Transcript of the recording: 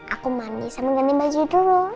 aku mandi sama ganti baju dulu